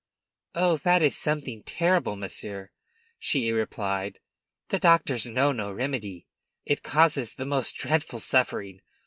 "Oh, it is something terrible, monsieur," she replied. "The doctors know no remedy. It causes the most dreadful suffering.